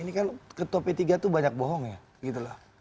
ini kan ketua p tiga itu banyak bohong ya